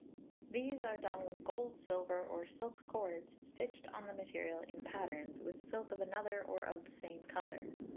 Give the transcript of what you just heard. These are done with gold, silver, or silk cords, stitched on the material in patterns, with silk of another, or of the same colour.